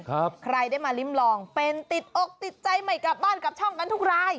ใครได้มาลิ้มลองเป็นติดอกติดใจไม่กลับบ้านกลับช่องกันทุกราย